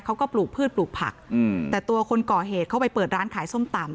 เขาก็ปลูกพืชปลูกผักอืมแต่ตัวคนก่อเหตุเข้าไปเปิดร้านขายส้มตำ